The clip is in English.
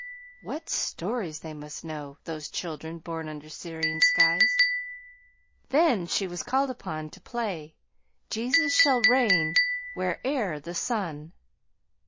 What stories they must know, those children born under Syrian skies! Then she was called upon to play "Jesus shall reign where'er the sun."